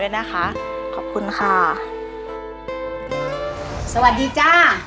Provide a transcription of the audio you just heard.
ให้หนูด้วยนะคะขอบคุณค่ะสวัสดีจ้า